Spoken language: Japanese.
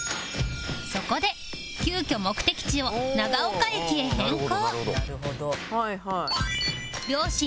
そこで急きょ目的地を長岡駅へ変更